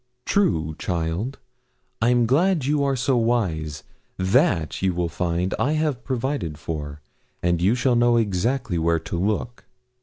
'True, child; I'm glad you are so wise; that, you will find, I have provided for, and you shall know exactly where to look.